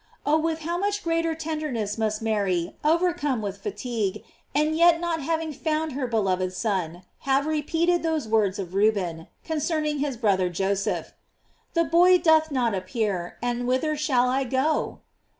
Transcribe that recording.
Oh, with how much greater tenderness must Mary, overcome with fatigue, and yet not having found her be loved Son, have repeated those words of Ruben, concerning his brother Joseph: The boy doth not appear, and whither shall I go?